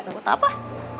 gak butuh apa apa